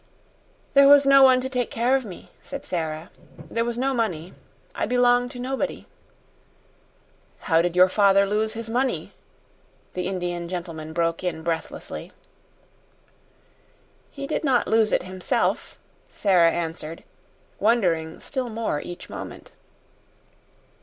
"There was no one to take care of me," said Sara. "There was no money; I belong to nobody." "How did your father lose his money?" the Indian gentleman broke in breathlessly. "He did not lose it himself," Sara answered, wondering still more each moment.